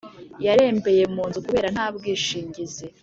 Yarembeye munzu kubera ntabwishingizi